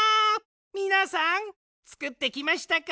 みなさんつくってきましたか？